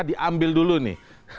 diambil dulu nih